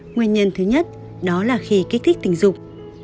nguyên nhân thứ nhất đó là khi kích thích tình dục